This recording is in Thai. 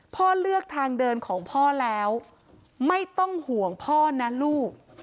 พ่อเลือกทางเดินของพ่อแล้วไม่ต้องห่วงพ่อนะลูก